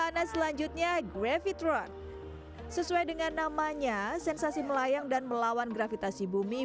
aneh selanjutnya graffitron sesuai dengan namanya sensasi melayang dan melahuan gravitasi bumi